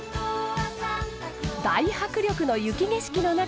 大迫力の雪景色の中